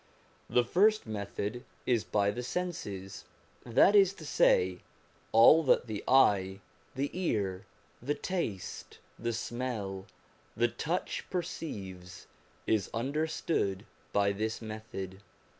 The first method is by the senses, that is to say, all that the eye, the ear, the taste, the smell, the touch perceives, is understood by this method.